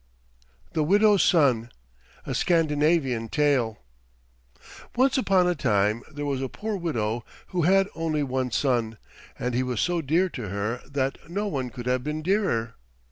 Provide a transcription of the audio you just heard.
THE WIDOW'S SON A SCANDINAVIAN TALE Once upon a time there was a poor widow who had only one son, and he was so dear to her that no one could have been dearer.